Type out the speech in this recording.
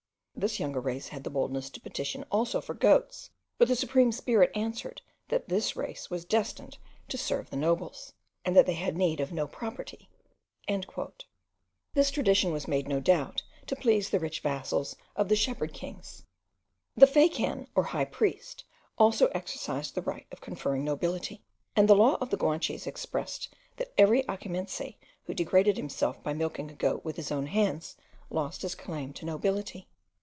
This younger race had the boldness to petition also for goats; but the supreme Spirit answered, that this race was destined to serve the nobles, and that they had need of no property." This tradition was made, no doubt, to please the rich vassals of the shepherd kings. The faycan, or high priest, also exercised the right of conferring nobility; and the law of the Guanches expressed that every achimencey who degraded himself by milking a goat with his own hands, lost his claim to nobility.